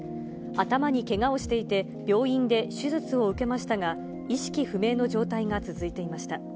頭にけがをしていて、病院で手術を受けましたが、意識不明の状態が続いていました。